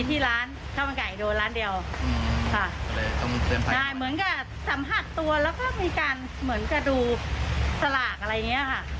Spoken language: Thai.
นายเหมือนกับสัมผัสตัวแล้วก็มีการเหมือนกับดูสลากอะไรอย่างนี้ค่ะ